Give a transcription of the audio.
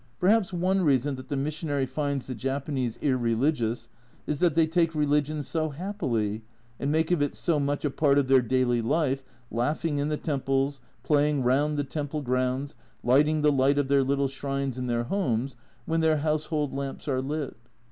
Perhaps one reason that the missionary finds the Japanese irreligious is that they take religion so happily, and make of it so much a part of their daily life, laughing in the temples, playing round the temple grounds, lighting the light of their little shrines in their homes when their house hold lamps are lit.